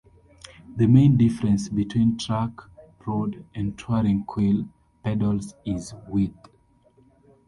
The main difference between track, road, and touring quill pedals is width.